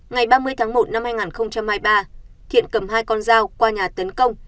ngày ba mươi tháng một năm hai nghìn hai mươi ba thiện cầm hai con dao qua nhà tấn công